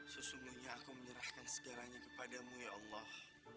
sesungguhnya aku menyerahkan segalanya kepadamu ya allah